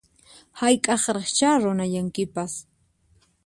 Hayk'aqraqchá runayankipas